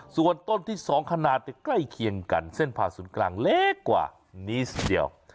ส่วนต้นที่๒ขนาดใกล้เคียงกันเส้นผ่าศูนย์กลางเล็กกว่านี้ทีเดียว